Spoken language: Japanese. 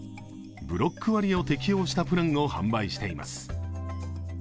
ブロック割を適用したプランを販売しています。